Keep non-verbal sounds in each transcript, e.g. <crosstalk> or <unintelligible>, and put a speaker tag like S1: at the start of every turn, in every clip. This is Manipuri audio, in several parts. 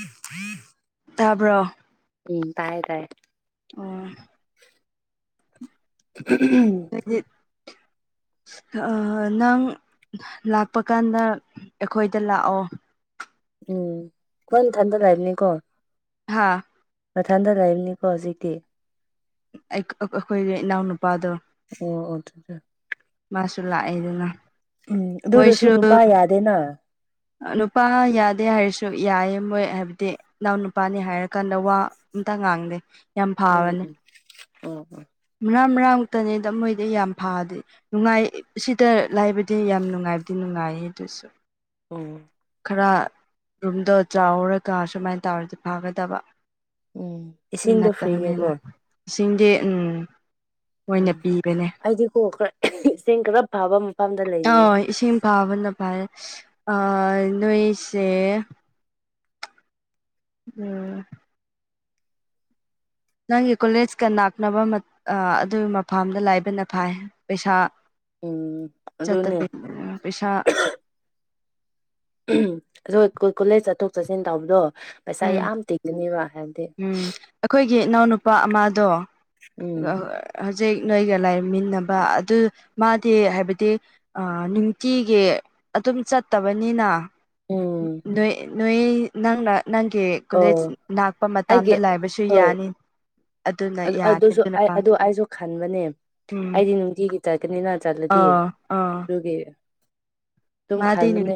S1: ꯎ ꯎꯝ
S2: ꯇꯥꯕ꯭ꯔꯣ
S1: ꯎꯝ ꯇꯥꯏꯌꯦ ꯇꯥꯏꯌꯦ
S2: ꯑꯣ ꯂꯩ ꯅꯪ ꯂꯥꯛꯄ ꯀꯥꯟꯗ ꯑꯩꯈꯣꯏꯗ ꯂꯥꯛꯑꯣ
S1: ꯎꯝ ꯀꯣꯟꯊꯟꯗ ꯂꯕꯅꯤꯀꯣ
S2: ꯍꯥꯥ
S1: ꯃꯊꯟꯗ ꯂꯩꯕꯅꯤꯀꯣ ꯍꯧꯖꯤꯛꯇꯤ
S2: ꯑꯩꯈꯣꯏꯒꯤ ꯏꯅꯥꯎꯅꯨꯄꯥꯗꯣ
S1: ꯑꯣ ꯑꯦ
S2: ꯃꯥꯁꯨ ꯂꯥꯛꯑꯦꯗꯨꯅ
S1: ꯎꯝ ꯑꯗꯨꯗꯁꯨ ꯅꯨꯄꯥ ꯌꯥꯗꯦꯅ
S2: ꯅꯨꯄꯥ ꯌꯥꯗꯦ ꯍꯥꯏꯔꯁꯨ ꯌꯥꯏ ꯃꯣꯏ ꯍꯥꯏꯕꯗꯤ ꯅꯅꯥꯎ ꯅꯨꯄꯥꯅꯤ ꯍꯥꯏꯔꯀꯥꯟꯗ ꯋꯥ ꯇ ꯉꯥꯡꯗ
S1: ꯎꯝ ꯎꯝ ꯑꯣ ꯑꯣ
S2: ꯃꯔꯥꯡ ꯃꯔꯥꯡꯃꯨꯛꯇꯅꯤꯗ ꯃꯣꯏꯗꯤ ꯌꯥꯝ ꯐꯗꯤꯦ ꯅꯨꯡꯉꯥꯏ ꯁꯤꯗ ꯂꯥꯏꯕꯗꯤ ꯌꯥꯝ ꯅꯨꯡꯉꯥꯏꯕꯗꯤ ꯅꯨꯡꯉꯥꯏ ꯉꯥꯏꯌꯦ ꯑꯗꯨꯁꯨ
S1: ꯎꯝ
S2: ꯈꯔ ꯔꯨꯝꯗꯣ ꯆꯥꯎꯔꯒ ꯁꯨꯃꯥꯏꯅ ꯇꯧꯔꯗꯤ ꯐꯥꯒꯗꯕ
S1: ꯎꯝ ꯏꯁꯤꯡꯗꯣ ꯐ꯭ꯔꯤꯅꯦꯀꯣ
S2: ꯇꯕꯅꯦꯅ ꯏꯁꯤꯡꯗꯤꯦ ꯎꯝ ꯃꯣꯏꯅ
S1: ꯎꯝ
S2: ꯄꯤꯕꯅꯦ
S1: ꯑꯩꯗꯤꯀꯣ ꯏꯁꯤꯡ ꯈꯔ ꯐꯕ ꯃꯐꯝꯗ ꯂꯩꯅꯤꯡꯉꯦ
S2: ꯕꯚꯜ ꯅꯣꯏꯁ ꯎꯝ ꯅꯪꯒꯤ ꯀꯣꯂꯦꯖꯀ ꯅꯅꯥꯛꯅꯕ ꯑꯗꯨꯒꯤ ꯃꯐꯝꯥꯝꯗ ꯂꯥꯏꯕꯅ ꯐꯥꯏ ꯄꯩꯁꯥ
S1: ꯎꯝ ꯑꯗꯨꯅꯦ
S2: ꯆꯠꯇꯕꯤ ꯄꯁꯥ
S1: ꯎꯝ ꯑꯣꯏ ꯀꯣꯂꯦꯖ ꯆꯠꯊꯣꯛ ꯆꯠꯁꯤꯟ ꯇꯧꯕꯗꯣ ꯄꯩꯁꯥ
S2: ꯎꯝ
S1: ꯌꯥꯝ ꯇꯤꯒꯅꯦꯕ ꯍꯥꯏꯕ
S2: ꯎꯝ ꯑꯩꯈꯣꯏꯒꯤ ꯏꯅꯥꯎꯅꯨꯄꯥ ꯑꯃꯗꯣ
S1: ꯎꯝ
S2: ꯖꯦꯛ ꯅꯣꯏꯒ ꯂꯥꯏꯃꯤꯟꯅꯕ ꯑꯗꯨ ꯃꯥꯗꯤ ꯍꯥꯏꯕꯗꯤ ꯅꯨꯡꯇꯤꯒꯤ ꯑꯗꯨꯝ ꯆꯠꯇꯕꯅꯤꯅ
S1: ꯎꯝ
S2: ꯅꯣꯏ ꯅꯣꯏ ꯅꯪꯅ ꯅꯪꯒꯤ ꯀꯣꯂꯦꯖ
S1: ꯑꯣ
S2: ꯂꯥꯛꯄ
S1: ꯑꯩꯒꯤ
S2: ꯃꯇꯇꯥꯝꯗ ꯂꯥꯏꯕꯁꯨ
S1: ꯍꯣꯏ
S2: ꯌꯥꯅꯤ ꯑꯗꯨꯅ ꯌꯥꯅꯤ
S1: ꯑꯗꯨꯁꯨ
S2: ꯑꯗꯨꯅ
S1: ꯑꯩ ꯑꯗꯨ ꯑꯩꯁꯨ ꯈꯟꯕꯅꯦ
S2: ꯎꯝ
S1: ꯑꯩꯗꯤ ꯅꯨꯡꯇꯤꯒꯤ ꯆꯠꯀꯅꯤꯅ ꯆꯠꯂꯗꯤ
S2: ꯑꯥ
S1: ꯑꯗꯨꯒꯤ ꯑꯗꯨꯝ
S2: ꯃꯥꯗꯤꯅꯤ
S1: ꯈꯟꯕꯅꯦ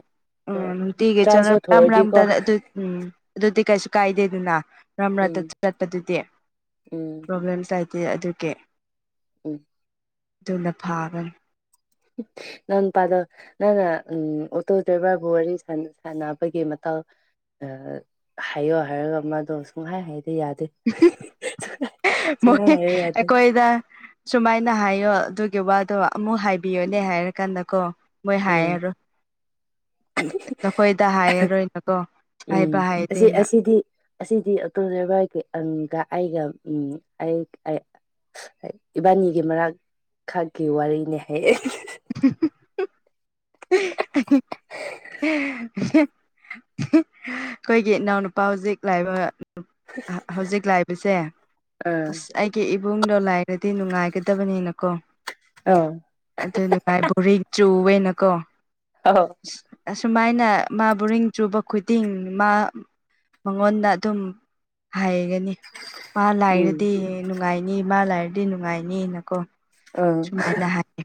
S2: ꯎꯝ ꯊꯤꯒ
S1: ꯆꯥꯟꯁ
S2: ꯆꯂꯣ ꯔꯝ ꯔꯝ
S1: ꯂꯧꯊꯣꯛꯑꯗꯤꯀꯣ
S2: ꯇ ꯑꯗꯨ ꯎꯝ ꯑꯗꯨꯗꯤ ꯀꯥꯏꯁꯤ ꯀꯥꯏꯗꯦꯗꯅ ꯃꯔꯝ
S1: ꯎꯝ
S2: ꯃꯔꯔ ꯆꯠꯄꯗꯨꯗꯤ
S1: ꯎꯝ
S2: ꯄ꯭ꯔꯣꯕ꯭ꯂꯦꯝꯥꯏ ꯑꯗꯨ ꯑꯗꯨꯒꯤ
S1: ꯎꯝ
S2: ꯑꯗꯨꯗꯨꯅ ꯐꯥꯕꯟ
S1: ꯎ ꯅꯪ ꯄꯥꯗ ꯅꯪꯅ ꯎꯝ ꯑꯣꯇꯣ ꯗ꯭ꯔꯥꯏꯚꯔꯕꯨ ꯋꯥꯔꯤ ꯁꯥꯟꯅꯕꯒꯤ ꯃꯇꯥꯎ ꯍꯥꯏꯌꯣ ꯍꯥꯏꯔꯒ ꯃꯥꯗꯣ ꯁꯨꯡꯍꯥꯏ ꯍꯥꯏꯗꯤ ꯌꯥꯗꯦ ꯁꯨꯡꯍꯥꯏ ꯍꯥꯏꯌꯣ ꯌꯥꯗꯦ
S2: ꯑꯩꯈꯣꯏꯗ ꯁꯨꯃꯥꯏꯅ ꯍꯥꯏ ꯍꯥꯏꯔꯣ ꯑꯗꯨꯒꯤ ꯋꯥꯗꯣ ꯑꯃꯨꯛ ꯍꯥꯏꯕꯤꯌꯣꯅꯦ ꯍꯥꯏꯔ ꯀꯥꯟꯗ ꯀꯣ ꯃꯣꯏ
S1: ꯎꯝ
S2: ꯍꯥꯏꯔꯔꯣ ꯅꯈꯣꯏꯗ ꯍꯥꯏꯔꯔꯣꯏꯅꯀꯣ ꯍꯥꯏꯕ
S1: ꯎꯝ ꯑꯁꯤ
S2: ꯍꯥꯏꯗꯦꯅ
S1: ꯑꯁꯤꯗꯤ ꯑꯁꯤꯗꯤ ꯑꯛꯇꯣ ꯋꯥꯔꯤ ꯑꯗ ꯑꯩꯒ ꯑꯩ ꯏꯕꯥꯅꯤꯒꯤ ꯃꯔꯛ ꯈꯥꯀꯤꯦ ꯋꯥꯔꯤꯔꯤꯅꯦ ꯍꯥꯏꯌꯦ
S2: <unintelligible> ꯑꯩꯈꯣꯏꯒꯤ ꯏꯅꯥꯎꯅꯨꯄꯥ ꯍꯧꯖꯤꯛ ꯂꯥꯛꯏꯕ ꯍꯧꯖꯤꯛ ꯂꯥꯛꯏꯕꯁꯦ ꯑꯁ
S1: ꯑꯥ
S2: ꯑꯩꯒꯤ ꯏꯕꯨꯡꯗꯣ ꯂꯥꯏꯔꯗꯤ ꯅꯨꯡꯉꯥꯏꯒꯗꯕꯅꯤꯅꯀꯣ
S1: ꯑꯥ
S2: ꯑꯗꯨꯏ ꯕꯣꯔꯤ ꯆꯨꯋꯦꯅꯀꯣ
S1: ꯑ
S2: ꯁꯨꯃꯥꯏꯅ ꯃꯥꯕꯨꯔꯤꯡ ꯆꯨꯕ ꯈꯨꯗꯤꯡ ꯃꯥ ꯃꯉꯣꯟꯗ ꯑꯗꯨꯝ ꯍꯥꯏꯒꯅꯤ ꯃꯥ
S1: ꯎꯝ
S2: ꯂꯥꯏꯔꯗꯤ ꯅꯨꯡꯉꯥꯏꯅꯤ ꯃꯥ ꯂꯥꯏꯔꯗꯤ ꯅꯨꯡꯉꯥꯏꯅꯤꯅꯀꯣ
S1: ꯑꯥ
S2: ꯁꯨꯃꯥꯏꯅ ꯍꯥꯏ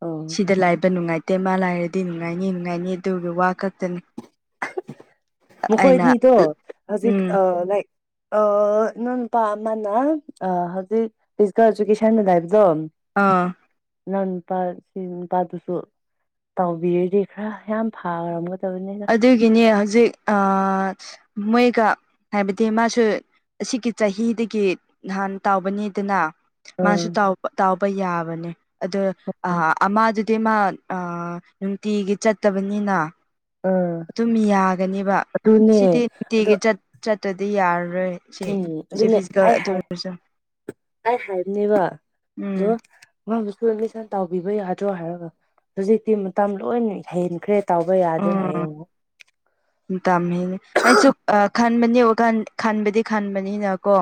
S1: ꯑꯣ
S2: ꯁꯤꯗ ꯂꯥꯏꯕ ꯅꯨꯡꯉꯥꯏꯇꯦ ꯃꯥ ꯂꯥꯏꯔꯗꯤ ꯅꯨꯡꯉꯥꯏꯅꯤ ꯅꯨꯡꯉꯥꯏꯅꯤ ꯑꯗꯨꯒꯤ ꯋꯥ ꯈꯛꯇꯅꯤ ꯑꯩꯅ
S1: ꯃꯈꯣꯏꯅꯤꯗꯣ ꯍꯧꯖꯤꯛ
S2: ꯎꯝ
S1: ꯂꯥꯏꯛ ꯑ ꯅꯣꯟ ꯄ ꯑꯃꯅꯥ ꯍꯧꯖꯤꯛ ꯐꯤꯜ ꯑꯦꯖꯨꯀꯦꯁꯟ ꯂꯕ ꯝ
S2: ꯑꯥ
S1: ꯅ ꯅꯨꯄꯥ ꯁꯤ ꯅꯨꯄꯥꯗꯨꯁꯨ ꯇꯥꯎꯕꯤꯔꯗꯤ ꯈꯔ ꯌꯥꯝ ꯐꯔꯝꯒꯗꯕꯅꯤꯅ
S2: ꯒꯤꯅꯦ ꯍꯧꯖꯤꯛ ꯃꯣꯏꯒ ꯍꯥꯏꯕꯗꯤ ꯃꯥꯁꯨ ꯑꯁꯤꯒꯤ ꯆꯍꯤꯗꯒꯤ ꯅꯍꯥꯟ ꯇꯥꯎꯕꯅꯤꯗꯅ ꯃꯥꯁꯨ
S1: ꯎꯝ
S2: ꯇꯥꯎꯕ ꯌꯥꯕꯅꯦ ꯑꯗ ꯑꯃꯗꯨꯗꯤ ꯏꯤꯃ ꯅꯨꯡꯇꯤꯒꯤ ꯆꯠꯇꯕꯅꯤꯅ
S1: ꯎꯝ
S2: ꯑꯗꯨꯝ ꯌꯥꯒꯅꯦꯕ
S1: ꯑꯗꯨꯅꯦ
S2: ꯁꯤꯗꯤꯤ
S1: ꯑꯗꯣ
S2: ꯅꯨꯡꯇꯤꯒꯤ ꯆꯠꯇꯗꯤ ꯌꯥꯔꯣꯏ ꯔꯣꯏ ꯁꯤ
S1: ꯎꯝ
S2: ꯍꯧꯖꯤꯛ
S1: ꯑꯗꯨꯅꯦ
S2: ꯐꯤꯖꯤꯀꯦꯜ
S1: ꯑꯩ
S2: ꯑꯗꯨ
S1: ꯍꯥꯏ
S2: ꯑꯣꯏꯔꯁꯨ
S1: ꯑꯩ ꯍꯥꯏꯕꯅꯦꯕ
S2: ꯎꯝ
S1: ꯑꯗꯣ ꯃꯥꯕꯨꯁꯨ ꯑꯦ ꯂꯤꯁꯟ ꯇꯥꯎꯕꯤꯕ ꯌꯥꯗ꯭ꯔꯣ ꯍꯥꯏꯔꯒ ꯍꯧꯖꯤꯛꯇꯤ ꯃꯇꯝ ꯂꯣꯏꯅ ꯍꯩꯟꯈ꯭ꯔꯦ
S2: ꯎꯝ ꯇꯃꯦ ꯍ ꯑꯩꯁꯨ ꯈꯟꯕꯅꯤ ꯈꯟꯕꯗꯤ ꯈꯟꯕꯅꯤꯅꯀꯣ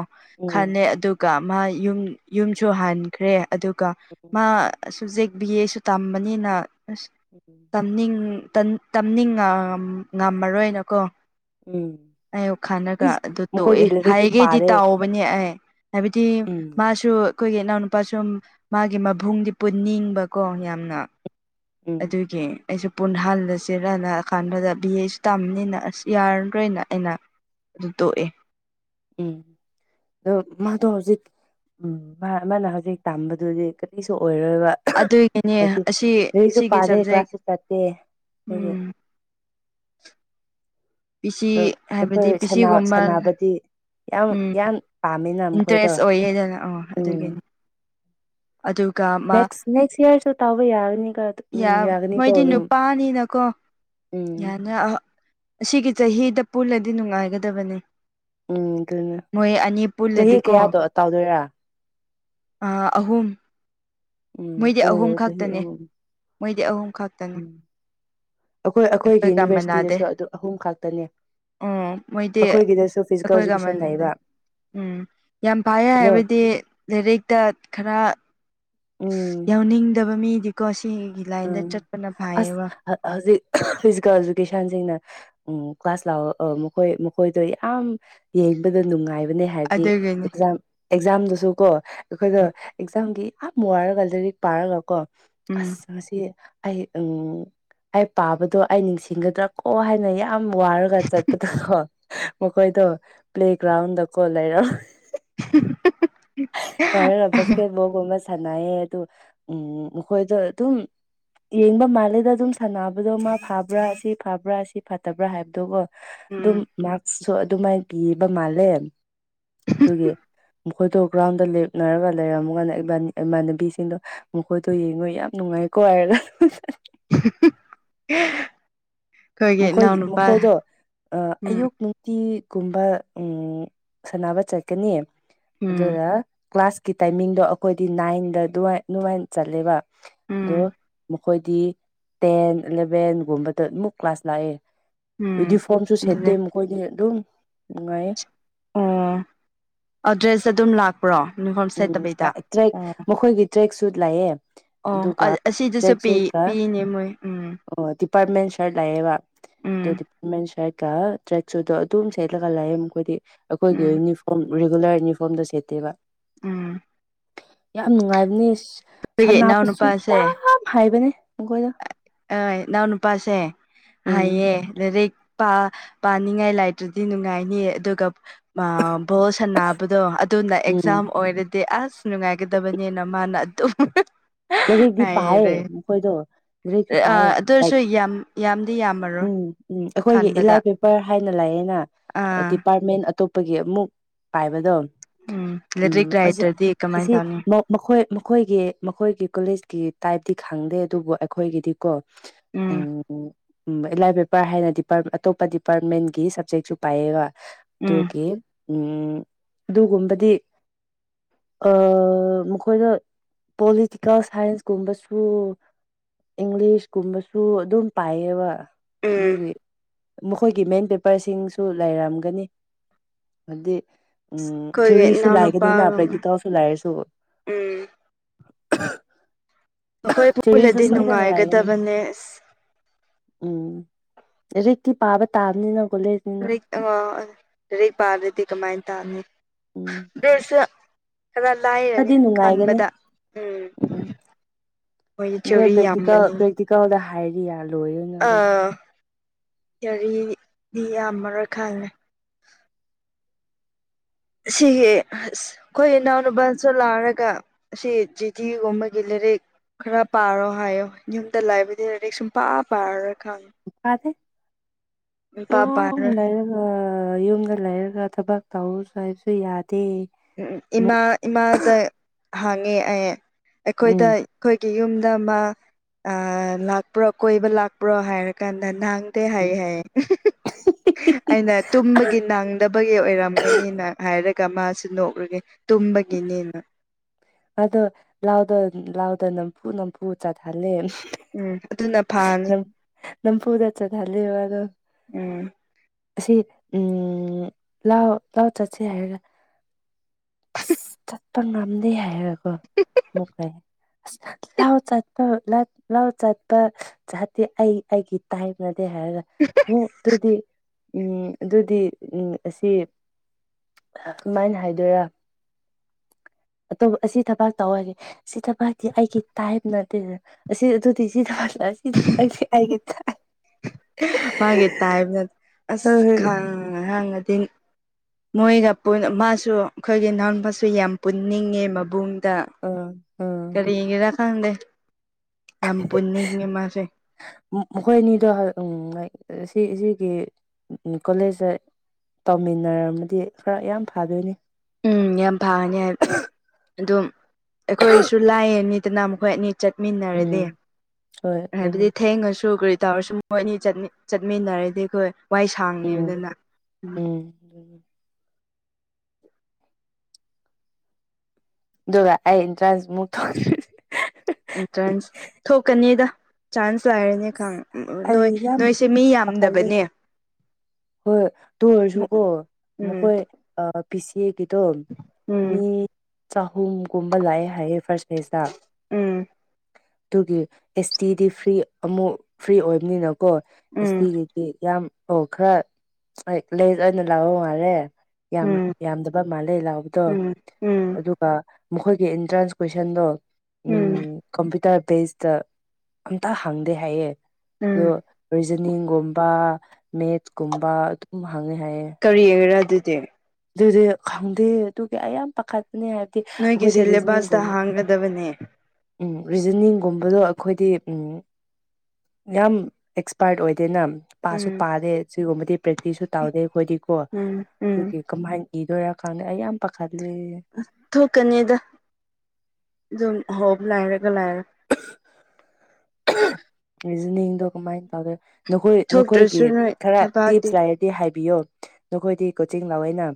S2: ꯈꯅꯦ
S1: ꯎꯝ
S2: ꯑꯗꯨꯒ ꯃꯥ ꯌꯨꯝ ꯌꯨꯝꯁꯨ ꯍꯟꯈ꯭ꯔꯦ ꯑꯗꯨꯒ ꯃꯥ
S1: ꯎꯝ
S2: ꯕꯤ ꯑꯦꯁꯨ ꯇꯝꯕꯅꯤꯅ
S1: ꯎꯝ
S2: ꯑꯝꯅꯤꯡ ꯇꯝꯅꯤꯡ ꯉꯝꯃꯔꯣꯏꯅꯀꯣ
S1: ꯎꯝ
S2: ꯑꯌꯨꯛ ꯈꯥꯟꯂꯒ
S1: ꯏꯁ
S2: ꯑꯗꯨ ꯇꯣꯛꯑꯦ
S1: ꯃꯈꯣꯏꯗꯤ ꯂꯥꯏꯔꯤꯛꯁꯨ
S2: ꯍꯥꯏꯒꯦꯗꯤ
S1: ꯄꯥꯔꯦ
S2: ꯇꯥꯎꯕꯅꯦ ꯑꯩ ꯍꯥꯏꯕꯗꯤ
S1: ꯎꯝ
S2: ꯃꯥꯁꯨ ꯑꯩꯈꯣꯏꯒꯤ ꯏꯅꯥꯎꯅꯨꯄꯥ ꯁ ꯃꯥꯒꯤ ꯃꯕꯨꯡꯗꯤ ꯄꯨꯟꯅꯤꯡꯕꯀꯣ ꯌꯥꯝꯅ
S1: ꯎꯝ
S2: ꯑꯗꯨꯒꯤ ꯑꯩꯁꯨ ꯄꯨꯟ ꯍꯜꯂ ꯆꯦꯔꯛꯂꯀꯥꯟꯥꯟꯕꯗ ꯕꯤ ꯑꯦꯁꯨ ꯇꯝꯅꯤꯅ ꯑꯁ ꯌꯥꯔꯗ꯭ꯔꯣꯏꯅ ꯑꯩꯅ ꯑꯗꯨꯗꯣ ꯑꯦ
S1: ꯎꯝ ꯑꯗ ꯃꯥꯗꯣ ꯍꯧꯖꯤꯛ ꯎꯝ ꯃꯥ ꯃꯥꯅ ꯍꯧꯖꯤꯛ ꯇꯝꯕꯗꯨꯗꯤ ꯀꯔꯤꯁꯨ ꯑꯣꯏꯔ
S2: ꯑꯗꯨꯒꯤꯅꯦ
S1: ꯍꯧꯗꯤ
S2: ꯑꯁꯤ
S1: ꯅꯣꯏꯁꯨ
S2: ꯁꯤꯒꯤ
S1: ꯄꯥꯗꯦ
S2: ꯁꯕꯖꯦꯛ
S1: ꯀ꯭ꯂꯥꯁꯁꯨ ꯆꯠꯇꯦ ꯔꯒꯦ
S2: ꯎꯝ <unintelligible>
S1: ꯑꯗ
S2: ꯄꯤꯁꯤ ꯍꯥꯏꯕꯗꯤ
S1: ꯑꯩꯈꯣꯏ
S2: ꯄꯤꯁꯤꯒꯨꯝꯕ
S1: ꯁꯥꯟꯅꯕꯗꯤ ꯌꯥꯝ
S2: ꯎꯝ
S1: ꯌꯥꯝ ꯄꯥꯝꯃꯦ ꯃꯃꯤꯅ ꯃꯈꯣꯏꯗꯣ
S2: ꯏꯟꯇꯔꯦꯁ ꯑꯣꯏꯌꯦꯗꯅ ꯑꯣ
S1: ꯎꯝ
S2: ꯑꯗꯨꯒꯤꯅꯤ ꯑꯗꯨꯒ ꯃꯥ
S1: ꯅꯦꯛꯁ ꯅꯦꯛꯁ ꯏꯌꯥꯔꯁꯨ ꯇꯧꯕ ꯌꯥꯒꯅꯤꯒ ꯎꯝ ꯌꯥꯒꯅꯤꯀꯣ
S2: ꯃꯣꯏꯗꯤ
S1: ꯑꯗꯨꯝ
S2: ꯅꯨꯄꯥꯅꯤꯅꯀꯣ
S1: ꯎꯝ
S2: ꯌꯥꯅꯤ ꯑꯁꯤꯒꯤ ꯆꯍꯤꯗ ꯄꯨꯜꯂꯗꯤ ꯅꯨꯡꯉꯥꯏꯒꯗꯕꯅꯦ
S1: ꯎꯝ ꯑꯗꯨꯅ
S2: ꯃꯣꯏ ꯑꯅꯤ
S1: ꯆꯍꯤ ꯀꯌꯥꯗꯣ ꯇꯥꯎꯗꯣꯏꯔꯥ
S2: ꯑ ꯑꯍꯨꯝ
S1: ꯎꯝ
S2: ꯃꯣꯏꯗꯤ ꯑꯍꯨꯝ
S1: ꯑꯣ ꯆꯍꯤ
S2: ꯈꯛꯇꯅꯦ
S1: ꯑꯍꯨꯝ
S2: ꯃꯣꯏꯗꯤ ꯑꯍꯨꯝ ꯈꯛꯇꯅꯦ
S1: ꯎꯝ ꯑꯩꯈꯣꯏ ꯑꯩꯈꯣꯏꯒꯤ
S2: ꯑꯩꯈꯣꯏꯒ ꯃꯥꯟꯅꯗꯦ
S1: ꯌꯨꯅꯤꯚꯔꯁꯤꯇꯤꯗꯁꯨ ꯑꯗꯨꯝ ꯑꯍꯨꯝ ꯈꯛꯇꯅꯦ
S2: ꯎꯝ ꯃꯣꯏꯗꯤ
S1: ꯑꯩꯈꯣꯏꯒꯤꯗꯁꯨ ꯐꯤꯖꯤꯀꯦꯜ
S2: ꯑꯩꯈꯣꯏꯒ
S1: ꯏꯖꯀꯦꯁꯟ ꯂꯩꯕ
S2: ꯃꯥꯟꯅꯗꯦ ꯎꯝ ꯌꯥꯝ ꯐꯥꯏꯌꯦ
S1: ꯑꯗꯣ
S2: ꯍꯥꯏꯕꯗꯤ ꯂꯥꯏꯔꯤꯛꯇ ꯈꯔ
S1: ꯎꯝ
S2: ꯌꯥꯎꯅꯤꯡꯗꯕ ꯃꯤꯗꯤꯀꯣ ꯁꯤ
S1: ꯎꯝ ꯑꯁ ꯍꯧꯖꯤꯛ ꯐꯤꯖꯤꯀꯦꯜ ꯏꯖꯨꯀꯦꯁꯟꯁꯤꯡꯅ ꯎ ꯀ꯭ꯂꯥꯁ ꯂꯥꯛ ꯃꯈꯣꯏ ꯃꯈꯣꯏꯗꯣ ꯌꯥꯝ ꯌꯦꯡ ꯄꯟꯕꯗ ꯅꯨꯡꯉꯥꯏꯕꯅꯦ ꯍꯥꯏꯕꯗꯤ
S2: ꯑꯗꯨꯒꯤꯅꯤ
S1: ꯑꯦꯛꯖꯥꯝ ꯑꯦꯛꯖꯥꯝꯗꯁꯨ ꯀꯣ ꯑꯩꯈꯣꯏꯗ
S2: ꯎꯝ
S1: ꯑꯦꯛꯖꯥꯝꯒꯤ ꯍꯥꯞ ꯃꯔꯒꯜꯗꯗꯤ ꯄꯥꯔꯒ ꯀꯣ
S2: ꯎꯝ
S1: ꯑꯁ ꯉꯁꯤ ꯑꯩ ꯎꯝ ꯑꯩ ꯄꯥꯕꯗꯣ ꯑꯩ ꯅꯤꯡꯁꯤꯡꯒꯗ꯭ꯔꯥ ꯀꯣ ꯍꯥꯏꯅ ꯌꯥ ꯑ ꯋꯥꯔꯒ ꯆꯠꯠꯇꯗ ꯃꯈꯣꯏꯗꯣ ꯄ꯭ꯂꯦꯒ꯭ꯔꯥꯎꯟꯗ ꯀꯣ ꯂꯩꯔꯣ ꯍꯥꯏꯅ ꯕꯥꯁꯀꯦꯠꯕꯣꯜꯒꯨꯝꯕ ꯁꯥꯟꯅꯩꯌꯦ ꯑꯗꯨ ꯎꯝ ꯃꯈꯣꯏꯗꯣ ꯑꯗꯨꯝ ꯌꯦꯡꯕ ꯃꯥꯜꯂꯦꯗ ꯑꯗꯨꯝ ꯁꯥꯟꯅꯕꯗꯣ ꯃꯥ ꯐꯥꯕ꯭ꯔꯥ ꯁꯤ ꯐꯥꯕ꯭ꯔꯥ ꯁꯤ ꯐꯠꯇꯕ꯭ꯔꯥ ꯍꯥꯏꯕꯗꯣꯀꯣ ꯑꯗꯨꯝ
S2: ꯎꯝ
S1: ꯃꯥꯛꯁꯁꯨ ꯑꯗꯨꯃꯥꯏꯅ ꯄꯤꯕ ꯃꯥꯜꯂꯦ ꯑꯗꯨꯒꯤ ꯃꯈꯣꯏꯗꯣ ꯒ꯭ꯔꯥꯎꯟꯗ ꯂꯦꯞꯅꯔꯒ ꯂꯩꯔꯝꯃ ꯀꯥꯟꯗ ꯏꯃꯥꯟꯅꯕꯤꯁꯤꯡꯗꯣ ꯃꯈꯣꯏꯗꯣ ꯌꯦꯡꯉꯨ ꯌꯥꯝ ꯅꯨꯡꯉꯥꯏ ꯀꯣꯔꯒ <unintelligible>
S2: <unintelligible> ꯑꯩꯈꯣꯏꯒꯤ
S1: ꯃꯈꯣꯏꯒꯤ
S2: ꯏꯅꯥꯎꯅꯨꯄꯥ
S1: ꯃꯈꯣꯏꯗꯣ
S2: ꯎꯝ
S1: ꯑꯌꯨꯛ ꯅꯨꯡꯇꯤ ꯀꯨꯝꯕ ꯎ ꯁꯥꯟꯅꯕ ꯆꯠꯀꯅꯤ
S2: ꯎꯝ
S1: ꯑꯗꯨꯗ ꯀ꯭ꯂꯥꯁꯀꯤ ꯇꯥꯏꯃꯤꯡꯗꯣ ꯑꯩꯈꯣꯏꯗꯤ ꯅꯥꯏꯟꯗ ꯑꯗꯨ ꯑꯗꯨꯃꯥꯏꯅ ꯆꯠꯂꯦꯕ
S2: ꯎꯝ
S1: ꯑꯗꯣ ꯃꯈꯣꯏꯗꯤ ꯇꯦꯟ ꯑꯦꯂꯚꯦꯟꯒꯨꯝꯕꯗ ꯑꯃꯨꯛ ꯀ꯭ꯂꯥꯁ ꯂꯥꯛꯑꯦ
S2: ꯎꯝ
S1: ꯌꯨꯗꯤꯐꯣꯔꯝꯁꯨ ꯁꯦꯠꯇꯦ
S2: ꯑꯗꯨꯅꯦ
S1: ꯃꯈꯣꯏꯗꯤ ꯑꯗꯨꯝ ꯅꯨꯡꯉꯥꯏꯌꯦ
S2: ꯑꯣ ꯑꯗ꯭ꯔꯦꯁ ꯑꯗꯨꯝ ꯂꯥꯛꯄ꯭ꯔꯣ ꯌꯨꯅꯤꯐꯣꯔꯝ
S1: ꯎꯝ
S2: ꯁꯦꯠꯇꯕꯤꯩꯗ
S1: ꯇ꯭ꯔꯦꯛ
S2: ꯑꯣ
S1: ꯃꯈꯣꯏꯒꯤ ꯇ꯭ꯔꯦꯛ ꯁꯨꯠ ꯂꯥꯛꯑꯦ ꯑꯗꯨꯒ
S2: ꯑꯣ ꯑꯁꯤꯗꯨꯁꯨ
S1: ꯇ꯭ꯔꯦꯛ
S2: ꯄꯤ
S1: ꯁꯨꯠꯀ
S2: ꯄꯤꯅꯦ ꯃꯣꯏ ꯎꯝ
S1: ꯗꯤꯄꯥꯔꯠꯃꯦꯟ ꯁꯔꯠ ꯂꯥꯛꯑꯦꯕ
S2: ꯎꯝ
S1: ꯑꯗꯣ ꯗꯤꯄꯥꯔꯠꯃꯦꯟ ꯁꯔꯠ ꯇ꯭ꯔꯦꯛ ꯁꯨꯗꯣ ꯑꯗꯨꯝ ꯁꯦꯠꯂꯒ ꯂꯥꯛꯑꯦ ꯃꯈꯣꯏꯗꯤ ꯑꯩꯈꯣꯏꯒꯤ
S2: ꯎꯝ
S1: ꯌꯨꯅꯤꯐꯣꯔꯝ ꯔꯤꯒꯨꯂꯔ ꯌꯨꯅꯤꯐꯣꯔꯝꯗꯣ ꯁꯦꯠꯇꯦꯕ
S2: ꯎꯝ
S1: ꯌꯥꯝ ꯅꯨꯡꯉꯥꯏꯕꯅꯦ ꯁꯟ
S2: ꯑꯩꯈꯣꯏꯒꯤ
S1: ꯍꯥꯄꯁꯨ
S2: ꯏꯅꯥꯎꯅꯨꯄꯥꯁꯦ
S1: ꯌꯥꯝ ꯍꯥꯏꯕꯅꯦ ꯃꯈꯈꯣꯏꯗ
S2: ꯑꯩ ꯏꯅꯥꯎ ꯅꯨꯄꯥꯁꯦ
S1: ꯎꯝ
S2: ꯍꯥꯏꯌꯦ ꯂꯔꯤꯛ ꯄꯥꯅꯤꯡꯉꯥꯏ ꯂꯥꯏꯇ꯭ꯔꯗꯤ ꯅꯨꯡꯉꯥꯏꯅꯤ ꯑꯗꯨꯒ ꯚꯣꯁ ꯁꯕꯗꯣ ꯑꯗꯨꯅ
S1: ꯎꯝ
S2: ꯑꯦꯛꯖꯥꯝ ꯑꯣꯏꯔꯗꯤ ꯑꯁ ꯅꯨꯡꯉꯥꯏꯒꯗꯕꯅꯤꯅ ꯃꯥꯅ ꯑꯗꯨꯝ
S1: ꯍꯧꯖꯤꯛꯇ
S2: ꯍꯥꯏꯔꯦ
S1: ꯄꯥꯏꯌꯦ ꯃꯈꯣꯏꯗꯣ
S2: ꯑꯥ
S1: ꯄꯥꯏꯑ
S2: ꯑꯗꯨ
S1: ꯂꯥꯏ
S2: ꯑꯣꯏꯔꯁꯨ ꯌꯥꯝ ꯌꯥꯝꯗꯤ ꯌꯥꯝꯃꯔꯣꯏ
S1: ꯎꯝ ꯎꯝ ꯑꯩꯈꯣꯏꯒꯤ
S2: ꯈꯟꯕꯗ
S1: ꯏꯂꯥꯏ ꯄꯦꯄꯔ ꯍꯥꯏꯅ ꯂꯥꯛꯑꯦꯅ
S2: ꯑꯥ
S1: ꯗꯤꯄꯥꯔꯠꯃꯦꯟ ꯑꯇꯣꯞꯄꯒꯤ ꯑꯃꯨꯛ ꯄꯥꯏꯕꯗꯣ
S2: ꯎꯝ ꯂꯥꯏꯔꯤꯛ
S1: ꯎꯝ ꯑꯁꯤ
S2: ꯂꯩꯇ꯭ꯔꯗꯤ ꯀꯃꯥꯏꯅ
S1: ꯑꯁꯤ
S2: ꯇꯧꯅꯤ
S1: ꯃꯈꯣꯏ ꯑꯩꯈꯣꯏꯒꯤ ꯃꯈꯣꯏꯒꯤ ꯀꯣꯂꯦꯖꯀꯤ ꯇꯥꯏꯞꯇꯤ ꯈꯪꯗꯦ ꯑꯗꯨꯕꯨ ꯑꯩꯈꯣꯏꯒꯤꯗꯤ ꯀꯣ ꯎꯝ ꯎꯝ ꯏꯂꯥꯏ ꯄꯦꯄꯔ ꯍꯥꯏꯅ ꯗꯤꯄꯥꯔꯠ ꯑꯇꯣꯞꯄ ꯗꯤꯄꯥꯔꯠꯃꯦꯟꯒꯤ ꯁꯞꯖꯦꯛꯁꯨ ꯄꯥꯏꯑꯒ
S2: ꯎꯝ ꯎꯝ
S1: ꯑꯗꯨꯒꯤ ꯎꯝ ꯑꯗꯨꯒꯨꯝꯕꯗꯤ ꯑ ꯃꯈꯣꯏꯅꯣꯂꯤ ꯀꯀꯦꯜ ꯁꯥꯏꯟꯁꯀꯨꯝꯕꯁꯨ ꯏꯪꯂꯤꯁꯀꯨꯝꯕꯁꯨ ꯑꯗꯨꯝ ꯄꯥꯏꯌꯦꯕ ꯑꯗꯨꯒꯤ ꯃꯈꯣꯏꯒꯤ ꯃꯦꯟ ꯄꯦꯄꯔꯁꯤꯡꯁꯨ ꯂꯩꯔꯝꯒꯅꯤ ꯍꯥꯏꯗꯤ ꯎꯝ
S2: ꯑꯩꯈꯣꯏꯒꯤ
S1: ꯊꯤꯑꯣꯔꯤꯁꯨ ꯂꯥꯏꯒꯅꯤꯅ
S2: ꯏꯅꯥꯎꯅꯨꯄꯥꯒ ꯎꯝ
S1: ꯄ꯭ꯔꯦꯛꯇꯤꯀꯦꯜꯁꯨ ꯂꯥꯏꯔꯁꯨ ꯊ <inaudible>
S2: ꯑꯩꯣꯏ ꯄꯨꯜꯂꯗꯤ ꯅꯨꯡꯉꯥꯏꯒꯗꯕꯅꯦꯁ
S1: ꯎꯝ ꯦꯛꯇꯤ ꯄꯥꯕ ꯇꯥꯕꯅꯤꯅ ꯀꯣꯂꯦꯖꯅꯤꯅ
S2: ꯍ ꯑ ꯍꯔ ꯄꯥꯔꯗꯗꯤ ꯀꯃꯥꯏꯅ ꯇꯥꯔꯅꯤ
S1: ꯎꯝ
S2: ꯦꯁ ꯈꯔ ꯂꯥꯏꯔꯅꯤ
S1: ꯈꯔꯗꯤ ꯅꯨꯡꯉꯥꯏꯒꯅꯤ
S2: ꯈꯟꯕꯗ ꯎꯝ ꯃꯣꯏꯒꯤ ꯊꯤꯑꯣꯔꯤ
S1: ꯑꯩꯣꯏ ꯄ꯭ꯔꯦꯛꯇꯤꯀꯦꯜ
S2: ꯌꯥꯝꯕꯅꯤꯅ
S1: ꯄ꯭ꯔꯦꯛꯇꯤꯀꯦꯜꯗ ꯍꯥꯏꯔꯤ ꯌꯥꯔ
S2: ꯑꯥ ꯌꯥꯔꯤꯗꯤ ꯌꯥꯝꯃꯔꯣꯏ ꯈꯜꯂꯦ ꯁꯤ ꯑꯩꯈꯣꯏ ꯏꯅꯥꯎꯅꯨꯄꯥꯁꯨ ꯂꯥꯛꯔꯒ ꯁꯤ ꯆꯤꯊꯤꯒꯨꯝꯕꯒꯤ ꯂꯥꯏꯔꯤꯛ ꯈꯔ ꯄꯥꯔꯣ ꯍꯥꯏꯌꯣ ꯌꯨꯝꯗ ꯂꯥꯏꯕꯨꯗꯤ ꯂꯗꯤꯦꯛ ꯁꯨꯝ ꯄꯥ ꯄꯥꯔꯔꯣꯏ ꯈꯪꯉꯦ
S1: ꯐꯗꯦ
S2: ꯁꯨꯡꯄꯥ ꯄꯥꯔꯔꯣꯏ
S1: ꯇꯔ ꯌ ꯂꯥꯏꯔꯛꯒ ꯊꯕꯛ ꯇꯧꯔꯁꯨ ꯍꯥꯏꯕꯁꯨ ꯌꯥꯗꯦ
S2: ꯎꯝ
S1: ꯑꯃꯨꯛ
S2: ꯏꯃꯥ ꯏꯃꯥꯗ ꯍꯥꯡꯉꯦ ꯑꯩ
S1: ꯎꯝ
S2: ꯑꯩꯈꯣꯏꯗ ꯑꯩꯈꯣꯏ ꯌꯨꯝꯗ ꯑꯃ ꯂꯥꯛꯄ꯭ꯔꯣ ꯀꯣꯏꯕ ꯂꯥꯛꯄ꯭ꯔꯣ ꯍꯥꯏꯔꯀꯥꯟꯗ ꯅ ꯪ ꯗ ꯍꯥꯏ ꯍꯥꯏ ꯑꯩꯅ ꯇꯨꯝꯕꯒꯤ ꯅꯪꯗꯕꯒꯤ ꯑꯣꯏꯔꯝꯒꯅꯤꯅ ꯍꯥꯏꯔꯛ ꯀ ꯃꯥꯁꯤ ꯅꯣꯛꯂꯒꯦ ꯇꯨꯝꯕꯒꯤꯅꯦꯅ
S1: ꯑꯗꯣ ꯂꯥꯎꯗ ꯂꯥꯎꯗ ꯅꯝꯐꯨ ꯅꯝꯕꯨꯨ ꯆꯠꯍꯜꯂꯦ
S2: ꯎꯝ ꯑꯗꯨꯅ ꯐꯥꯅꯤ
S1: ꯅꯝ ꯄꯨꯗ ꯆꯠꯍꯜꯂꯤꯕ ꯑꯗꯨ
S2: ꯎꯝ
S1: ꯑꯁꯤ ꯎꯝ ꯂꯥꯎ ꯂꯥꯎ ꯆꯠꯁꯦ ꯍꯥꯏꯔꯒ ꯇꯝ ꯉꯝꯗꯤ ꯍꯥꯏꯀꯣ ꯃ ꯀꯥꯏ ꯑ ꯂꯥꯎ ꯆꯠꯄ ꯂꯥꯎ ꯆꯠꯄ ꯖꯇꯤ ꯑꯩ ꯑꯩꯒꯤ ꯇꯥꯏꯝ ꯍꯥꯏꯒ ꯎ ꯑꯗꯨꯗꯤ ꯎꯝ ꯑꯗꯨꯗꯤ ꯎꯝ ꯑꯁꯤ ꯀꯃꯥꯏꯅ ꯍꯥꯏꯗꯣꯏꯔꯥ ꯇꯣꯞ ꯑꯁꯤ ꯊꯕꯥꯛ ꯇꯧꯋꯔꯦ ꯁꯤ ꯊꯕꯥꯛꯇꯤ ꯑꯩꯒꯤ ꯇꯥꯏꯞ ꯅꯠꯇꯦꯗꯅ ꯑꯁꯤ ꯑꯗꯨꯗꯤ ꯁꯤ ꯊ ꯂꯁꯤꯁꯨ ꯄꯥꯏ ꯍꯥꯏꯠꯇ <unintelligible>
S2: ꯃꯥꯒꯤꯦ ꯇꯥꯏꯕ ꯑꯁ ꯈꯪ ꯍꯉ <unintelligible> ꯃꯣꯏꯒ ꯃꯥꯁꯨ ꯑꯩꯈꯣꯏꯒꯤ ꯅꯅꯥꯎꯕꯁꯨ ꯌꯥꯝ ꯄꯨꯟꯅꯤꯡꯉꯦ ꯃꯕꯨꯡ ꯇ
S1: ꯎꯝ ꯎꯝ
S2: ꯀꯔꯤꯒꯤꯔ ꯑꯗꯦ ꯌꯥꯝ ꯄꯨꯟꯅꯤꯉꯦ ꯃꯥꯁꯦ
S1: ꯃꯈꯣꯏ ꯑꯅꯤꯗꯣ ꯎ ꯁꯤ ꯁꯤꯒꯤ ꯀꯣꯂꯦꯖꯇ ꯇꯧꯃꯤꯟꯅꯔꯝꯃꯗꯤ ꯈꯔ ꯌꯥꯝ ꯐꯗꯣꯏꯅꯤ
S2: ꯎꯝ ꯌꯥꯝ ꯐꯉꯅꯤ ꯑꯗꯨꯝ ꯑꯩꯈꯣꯏꯁꯨ ꯂꯥꯏꯑꯅꯤ ꯇꯤꯟꯅ ꯃꯈꯣꯏ ꯑꯅꯤ ꯆꯠꯃꯤꯟꯅꯔꯅꯤ
S1: ꯎꯝ ꯍꯣꯏ ꯑꯗꯨꯅꯤ
S2: ꯍꯥꯏꯕꯗꯤ ꯊꯦꯡꯉꯁꯨꯈ ꯇꯧꯔꯁꯨ ꯃꯣꯏ ꯑꯅꯤ ꯆꯠꯃꯤꯟꯅꯔꯗꯤ ꯑꯩꯈꯣꯏ ꯋꯥꯏ
S1: ꯎꯝ
S2: ꯁꯥꯡꯅꯦꯕꯗꯅ ꯎꯝ
S1: ꯒ ꯑꯩ ꯏꯟꯇ꯭ꯔꯥꯁ ꯃ ꯇ <unintelligible>
S2: ꯑꯦꯟꯇ꯭ꯔꯥꯟꯁ ꯊꯣꯛꯀꯅꯤꯗ ꯆꯥꯟꯁ ꯂꯥꯏꯔꯅꯤ ꯈ ꯎ ꯅꯣꯏ
S1: ꯑꯩ ꯌꯥꯝ
S2: ꯅꯣꯏꯁꯦ ꯃꯤ
S1: ꯄꯥꯈꯠꯂꯦ
S2: ꯌꯥꯝꯗꯕꯅꯦ
S1: ꯍꯣꯏ ꯇꯣꯏꯔꯁꯨꯀꯣ
S2: ꯎꯝ
S1: ꯃꯈꯣꯏ ꯄꯤ ꯁꯤ ꯑꯦꯒꯤꯗꯣ ꯃꯤ
S2: ꯎꯝ
S1: ꯆꯍꯨꯝꯒꯨꯝꯕ ꯂꯥꯛꯑꯦ ꯍꯥꯏꯌꯦ ꯐꯥꯔꯁ
S2: ꯎꯝ
S1: ꯑꯗꯨꯒꯤ ꯑꯦꯁ ꯇꯤ ꯗꯤ ꯐ꯭ꯔꯤ ꯑꯃꯨꯛ ꯐ꯭ꯔꯤ ꯑꯣꯏꯕꯅꯤꯅꯀꯣ
S2: ꯎꯝ
S1: ꯑꯦꯁꯇꯤꯒꯤꯗꯤ ꯌꯥꯝ ꯑꯣ ꯈꯔ ꯍ ꯂꯦꯖ ꯑꯣꯏꯅ ꯂꯥꯛꯑꯣ ꯉꯔꯦ ꯌꯥꯝ
S2: ꯎꯝ
S1: ꯌꯥꯝꯗꯕ ꯃꯥꯜꯂꯦ ꯂꯥꯎꯕꯗꯣ
S2: ꯎꯝ ꯎꯝ
S1: ꯑꯗꯨꯒ ꯃꯈꯣꯏꯒꯤ ꯑꯦꯟꯇ꯭ꯔꯥꯟꯁ ꯀꯣꯏꯁꯟꯗꯣ
S2: ꯎꯝ
S1: ꯀꯝꯄ꯭ꯌꯨꯇꯔ ꯄꯦꯁꯇ ꯑꯝꯇ ꯍꯪꯗꯦ ꯍꯥꯏꯌꯦ
S2: ꯎꯝ
S1: ꯑꯣ ꯖꯅꯤꯡꯒꯨꯝꯕ ꯃꯦꯠꯀꯨꯝꯕ ꯑꯗꯨꯝ ꯍꯪꯉꯦ ꯍꯥꯏꯌꯦ
S2: ꯑꯗꯨꯇ
S1: ꯑꯗꯨꯗꯤ ꯈꯪꯗꯦ ꯑꯗꯨꯒꯤ ꯑ ꯌꯥꯝ ꯄꯥꯈꯠꯄꯅꯦ ꯍꯥꯏꯕꯗꯤ
S2: ꯅꯣꯏꯒꯤ
S1: ꯑꯩꯈꯣꯏꯗꯤ
S2: ꯁꯦꯂꯦꯕꯁꯇ
S1: ꯔꯤꯖꯅꯤꯡꯒꯨꯝꯕ
S2: ꯍꯥꯡꯒꯗꯕꯅꯦ
S1: ꯎꯝ ꯔꯤꯖꯅꯤꯡꯒꯨꯝꯕꯗꯣ ꯑꯩꯈꯣꯏꯗꯤ ꯎꯝ ꯌꯥꯝ ꯑꯦꯛꯁꯄꯥꯔꯠ ꯑꯣꯏꯗꯦ ꯅ ꯄꯥꯁꯨ
S2: ꯎꯝ
S1: ꯄꯥꯔꯦ ꯁꯤꯒꯨꯝꯕꯗꯤ ꯄ꯭ꯔꯦꯛꯇꯤꯁꯁꯨ ꯇꯥꯗꯦ ꯑꯩꯈꯣꯏꯗꯤꯀꯣ
S2: ꯎꯝ ꯎꯝ
S1: ꯑꯗꯨꯒꯤ ꯀꯃꯥꯏꯅ ꯏꯗꯣꯏꯔꯥ ꯈꯪꯗꯦ ꯑꯩ ꯌꯥꯝ ꯄꯥꯈꯠ
S2: ꯊꯣꯛꯀꯅꯤꯗ ꯑꯗꯨꯝ ꯍꯣꯕ ꯂꯔ ꯂꯥꯏꯅ
S1: <unintelligible> ꯣ ꯀꯃꯥꯏ ꯇꯧꯒ ꯅꯈꯣꯏꯒꯤ
S2: ꯊꯣꯛꯇ꯭ꯔꯁꯨ ꯅꯣꯏ
S1: ꯈꯔ
S2: ꯊꯕꯥꯛꯇꯤ
S1: ꯇꯤꯞꯁ ꯂꯩꯔꯗꯤ ꯍꯥꯏ ꯄꯤꯌꯣ ꯅꯈꯣꯏꯗꯤ ꯀꯣꯆꯤꯡ ꯂꯥꯛꯑꯣꯅ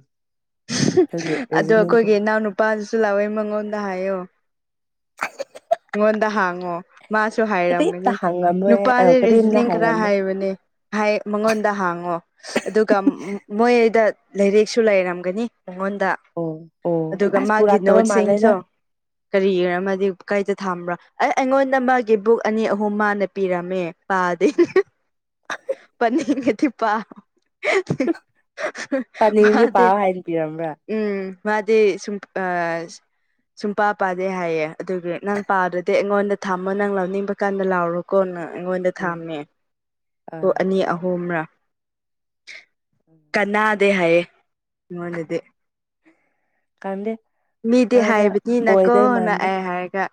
S2: ꯑꯗꯣ ꯑꯩꯈꯣꯏꯒꯤ ꯏꯅꯥꯎ ꯅꯨꯨꯄꯥꯗꯨꯁꯨ ꯂꯥꯛꯑꯣꯏ ꯃꯉꯣꯟꯗ ꯍꯥꯏꯌꯣ ꯍ <unintelligible> ꯉ ꯃꯥꯁꯨ
S1: ꯀꯔꯤꯝꯇ
S2: ꯍꯥꯏꯔꯝꯒꯅꯤ
S1: ꯍꯪꯉꯝꯃꯣꯏ
S2: ꯅꯨꯄꯥꯁ
S1: ꯑ ꯀꯔꯤꯝꯇ
S2: ꯔꯤꯖꯅꯤꯡ ꯈꯔ
S1: ꯍꯥꯏꯔꯝꯃꯣꯏ
S2: ꯍꯥꯏꯕꯅꯦ ꯃꯉꯣꯟꯗ ꯍꯥꯡꯉꯣ ꯑꯗꯨꯒ ꯃꯣꯏꯗ ꯂꯥꯏꯔꯛꯁꯨ ꯂꯩꯔꯝꯒꯅꯤ ꯃꯉꯣꯟꯗ
S1: ꯑꯣ ꯑꯣ
S2: ꯑꯗꯨꯒ
S1: ꯑꯁ
S2: ꯃꯥꯒꯤ
S1: ꯄꯨꯔꯛꯇꯕ ꯃꯥꯜꯂꯦꯗ
S2: ꯅꯣꯠꯁꯤꯡꯁꯨ ꯀꯔꯤꯒꯤꯔꯃ ꯀꯥꯏꯗ ꯊꯥꯝꯕ꯭ꯔꯣ ꯑꯩ ꯑꯩꯉꯣꯟꯗ ꯃꯥꯒꯤ ꯕꯨꯛ ꯑꯅꯤ ꯑꯍꯨꯝ ꯃꯥꯅ ꯄꯤꯔꯝꯃꯦ ꯄꯗꯦ
S1: ꯎꯝ
S2: ꯄꯅꯤ ꯀꯦꯗꯤꯄꯥ
S1: ꯄꯥꯅꯤꯡꯗꯤ
S2: ꯃꯥꯗ
S1: ꯄꯥꯎ ꯍꯥꯏꯅ ꯄꯤꯔꯝꯕ꯭ꯔꯥ
S2: ꯎꯝ ꯃꯥꯗꯤ ꯁꯨꯝ ꯁꯨꯡ ꯄꯥ ꯄꯥꯗꯦ ꯍꯥꯏꯌꯦ ꯑꯗꯨꯒꯤ ꯅꯪ ꯄꯥꯗ꯭ꯔꯗꯤ ꯑꯩꯉꯣꯟꯗ ꯊꯝꯃꯣ ꯅꯪ ꯂꯧꯅꯤꯡꯕ ꯀꯥꯟꯗ ꯂꯥꯎꯔꯣꯀꯣ ꯅꯪ ꯑꯩꯉꯣꯟꯗ
S1: ꯎꯝ
S2: ꯊꯥꯝꯃꯦ ꯄꯣ
S1: ꯑꯥ
S2: ꯑꯅꯤ ꯑꯍꯨꯝꯔꯥ ꯀꯅꯥꯗꯦ ꯍꯥꯏꯌꯦꯦ ꯃꯣꯟꯗꯦ
S1: ꯀꯗ
S2: ꯃꯤꯗꯤ ꯍꯥꯏꯕꯅꯤꯅꯀꯣ
S1: ꯃꯥꯟꯗꯦ
S2: ꯅꯛꯑꯦ ꯍꯥꯏꯔꯒ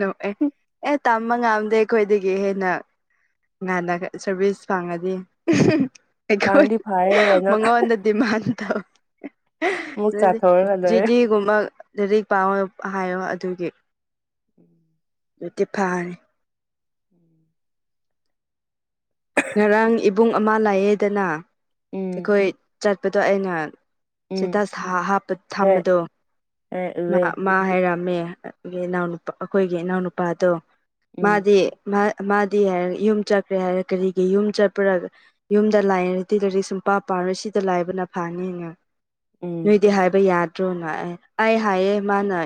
S2: ꯅꯣꯛꯑꯦ ꯑꯦ ꯇꯝꯕ ꯉꯝꯗꯦ ꯑꯩꯈꯣꯏꯗꯒꯤ ꯍꯦꯟꯅ ꯉ ꯅ ꯁꯔꯕꯤꯁ ꯐꯥꯡꯉꯗꯤ
S1: ꯐꯪꯗꯤ ꯐꯔꯦ ꯀꯩꯅꯣ
S2: ꯃꯉꯟꯗ ꯗꯤꯃꯥꯟ ꯊ
S1: ꯑꯃꯨꯛ ꯆꯥꯊꯣꯛꯔꯒ ꯂꯣꯏꯔꯦ
S2: ꯂꯔꯤꯛ ꯄꯥꯝꯃꯣ ꯍꯥꯏꯌꯣ ꯑꯗꯨꯒꯤ
S1: ꯎꯝ
S2: ꯑꯗꯨꯠꯇꯤ ꯐꯥꯔꯦ ꯉꯔꯥꯡ ꯏꯕꯨꯡ ꯑꯃ ꯂꯥꯏꯌꯦꯦꯗꯅ
S1: ꯎꯝ ꯎꯝ
S2: ꯑꯩꯈꯣꯏ ꯆꯠꯄꯗꯣ ꯑꯩꯅ
S1: ꯎꯝ ꯎꯝ
S2: ꯆꯇꯁ ꯍꯥꯞꯄ
S1: ꯍꯣꯏ
S2: ꯊꯝꯕꯗꯣ
S1: ꯍꯣꯏ
S2: ꯃꯥ
S1: ꯎꯋꯦ
S2: ꯃꯥ ꯍꯥꯏꯔꯛꯑꯝꯃꯦ ꯏꯅꯥꯎꯅꯄꯥ ꯑꯩꯈꯣꯏꯒꯤ ꯏꯅꯥꯎꯅꯨꯄꯥꯗꯣ
S1: ꯎꯝ
S2: ꯃꯥꯗꯤ ꯃꯥ ꯃꯥꯗꯤ ꯍꯥꯏꯔꯦ ꯌꯨꯝ ꯆꯠꯈ꯭ꯔꯦ ꯍꯥꯏꯔ ꯀꯔꯤꯒꯤ ꯌꯨꯝ ꯆꯠꯄꯔꯒ ꯌꯨꯝꯗ ꯂꯥꯏꯔꯗꯤ ꯂꯥꯏꯔꯤꯛ ꯁꯨꯡ ꯄꯥ ꯄꯥꯔ ꯁꯤꯗ ꯂꯥꯏꯕꯅ ꯐꯥꯅꯤ
S1: ꯎꯝ
S2: ꯅꯣꯏꯗꯤ ꯍꯥꯏꯕ ꯌꯥꯗ꯭ꯔꯦ ꯠꯇ꯭ꯔꯣꯅ ꯑꯦ ꯑꯩ ꯍꯥꯏꯌꯦ ꯃꯥꯅ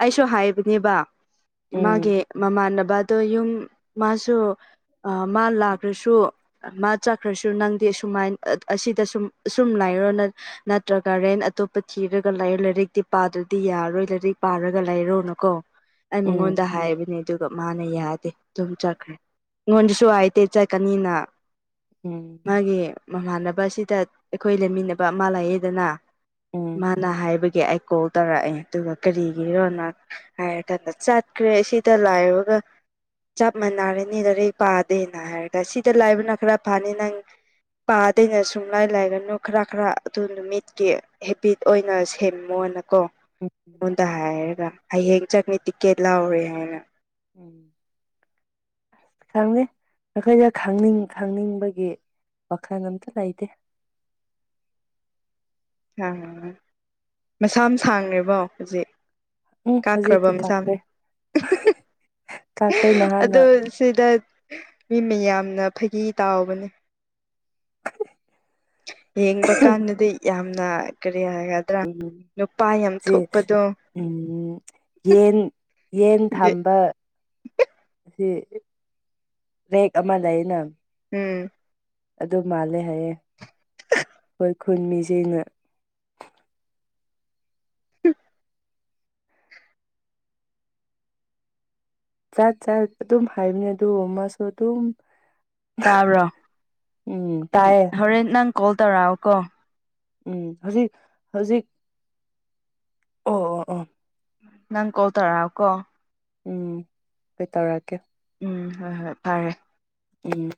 S2: ꯑꯩꯁꯨ ꯍꯥꯏꯕꯅꯦꯕ
S1: ꯎꯝ
S2: ꯃꯥꯒꯤ ꯃꯃꯥꯟꯅꯕꯗꯣ ꯌꯨꯝ ꯃꯥꯁꯨ ꯃꯥ ꯂꯥꯛ ꯈ꯭ꯔꯁꯨ ꯃꯥ ꯆꯠꯈ꯭ꯔꯁꯨ ꯅꯪꯗꯤ ꯑꯃꯥꯏ ꯑꯁꯤꯗ ꯁꯨꯝ ꯑꯁꯨꯝ ꯂꯩꯥꯏꯔꯣ ꯅꯠꯇ꯭ꯔꯒꯥꯔꯦꯟ ꯑꯇꯣꯞꯄ ꯊꯤꯔꯒ ꯂꯔꯣ ꯂꯥꯏꯔꯤꯛꯇꯤ ꯄꯥꯗ꯭ꯔꯗꯤ ꯌꯥꯔꯣꯏ ꯂꯥꯏꯔꯤꯛ ꯄꯥꯔꯒ ꯂꯩꯔꯣꯅꯀꯣ ꯑꯩ ꯃꯉꯣꯟꯗ
S1: ꯎꯝ
S2: ꯍꯥꯏꯕꯅꯦ ꯑꯗꯨꯒ ꯃꯥꯅ ꯌꯥꯗꯦ ꯑꯗꯨꯝ ꯆꯠꯈ꯭ꯔꯦ ꯑꯩꯉꯣꯟꯗꯁꯨ ꯍꯥꯏꯇꯦ ꯀꯅꯤꯅ
S1: ꯎꯝ
S2: ꯃꯥꯒꯤ ꯃꯃꯥꯟꯅꯕ ꯑꯁꯤꯗ ꯑꯩꯈꯣꯏ ꯂꯩꯃꯤꯟꯅꯕ ꯑꯃ ꯂꯥꯛꯑꯦꯗꯅ
S1: ꯎꯝ ꯎꯝ
S2: ꯃꯥꯅ ꯍꯥꯏꯕꯒꯤ ꯑꯩ ꯀꯣꯜ ꯇꯧꯔꯛꯑꯦ ꯑꯗꯨꯒ ꯀꯔꯤꯒꯤꯔꯣꯅ ꯍꯥꯏꯔꯀꯗ ꯆꯠꯈ꯭ꯔꯦ ꯁꯤꯗ ꯂꯥꯏꯔꯒ ꯆꯞ ꯃꯥꯟꯅꯔꯦꯅꯤ ꯂꯒꯥꯔꯤꯛ ꯄꯥꯗꯦꯅ ꯍꯥꯏꯔꯒ ꯁꯤꯗ ꯂꯥꯏꯕꯅ ꯈꯔ ꯐꯅꯤ ꯅꯪ ꯄꯥꯗꯩꯅ ꯁꯨꯝ ꯂꯥꯏ ꯂꯥꯏꯒꯅꯨ ꯈꯔ ꯈꯔ ꯑꯗꯨ ꯅꯨꯃꯤꯠꯀꯤ ꯍꯦꯕꯤꯠ ꯑꯣꯏꯅ ꯁꯦꯝꯃꯣꯏ ꯅ ꯀꯣ
S1: ꯎꯝ
S2: ꯑꯩꯉꯣꯟꯗ ꯍꯥꯏꯔꯒ ꯍꯌꯦꯡ ꯆꯪꯅꯤ ꯇꯤꯛꯀꯦꯠ ꯂꯥꯎꯔꯦ ꯍꯥꯏꯅ <unintelligible>
S1: ꯈꯪꯅꯤ ꯑꯩꯈꯣꯏꯗ ꯈꯪꯅꯤꯡ ꯈꯪꯅꯤꯡꯕꯒꯤ ꯄꯈ꯭ꯔ ꯅꯇꯗ ꯑꯥꯏꯗ
S2: ꯁꯥꯡꯉ ꯃꯁꯥ ꯑꯃ ꯁꯥꯡꯉꯦꯕꯣ ꯍꯧꯖꯤꯛ
S1: ꯎꯝ
S2: ꯀꯥꯈ꯭ꯔꯕ
S1: ꯍꯧꯖꯤꯛꯇꯤ
S2: ꯁꯥ
S1: ꯀꯥꯈ꯭ꯔꯦ ꯀꯥꯈ꯭ꯔꯦ
S2: ꯑꯗꯨ
S1: ꯅꯍꯥꯟꯅ
S2: ꯁꯤꯗ ꯃꯤ ꯃꯤ ꯌꯥꯝꯅ ꯐꯥꯒꯤ ꯇꯥꯎꯕꯅꯦ ꯌꯦꯡꯕ ꯀꯥꯟꯗꯗꯤ ꯌꯥꯝꯅ ꯀ
S1: ꯎꯝ ꯁꯤ
S2: ꯊꯣꯛꯄꯗꯣ
S1: ꯎꯝ ꯌꯦꯟ ꯌꯦꯟ ꯊꯝꯕ ꯑꯁꯤ ꯔꯦꯛ ꯑꯃ ꯂꯩꯩꯅ
S2: ꯎꯝ
S1: ꯑꯗꯨ ꯃꯥꯜꯂꯦ ꯍꯥꯏꯌꯦꯦ ꯍꯣꯏ ꯈꯨꯟ ꯃꯤꯁꯤꯅ ꯆꯠ ꯆꯠ ꯑꯗꯨꯝ ꯍꯥꯏꯕꯅꯦ ꯑꯗꯨ ꯃꯥꯁꯨ ꯑꯗꯨꯝ
S2: ꯇꯥꯕ꯭ꯔꯣꯝ
S1: ꯎꯝ ꯇꯥꯏꯌꯦ
S2: ꯍꯣꯔꯦꯟ ꯅꯪ ꯀꯣꯜ ꯇꯧꯔꯛꯑꯣ ꯀꯣ
S1: ꯎꯝ ꯍꯧꯖꯤꯛ ꯍꯧꯖꯤꯛ ꯑꯣ ꯑꯣ ꯑꯣ
S2: ꯅꯪ ꯀꯣꯜ ꯇꯔ ꯀꯣ
S1: ꯎꯝ ꯀꯩ ꯇꯧꯔꯛꯒꯦ
S2: ꯎꯝ ꯍꯣꯏ ꯍꯣꯏ ꯐꯔꯦ
S1: ꯎꯝ